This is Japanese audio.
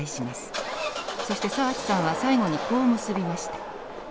そして澤地さんは最後にこう結びました。